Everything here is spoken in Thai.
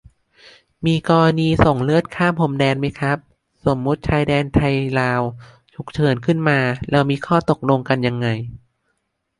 มีกรณีส่งเลือดข้ามพรมแดนไหมครับ สมมติชายแดนไทย-ลาว ฉุกเฉินขึ้นมาเรามีข้อตกลงกันยังไง